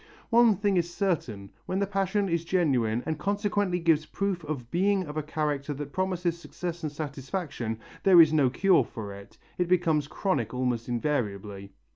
One thing is certain, when the passion is genuine and consequently gives proof of being of a character that promises success and satisfaction, there is no cure for it, it becomes chronic almost invariably.